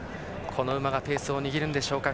この馬がペースを握るんでしょうか。